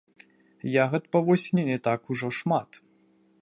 Ягад па восені не так ужо шмат.